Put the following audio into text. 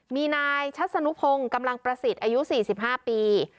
มีนายชัศนุพงศ์กำลังประสิทธิ์อายุ๔๕ปี